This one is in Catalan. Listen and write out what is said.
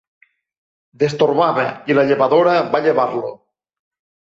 Destorbava, i la llevadora va llevar-lo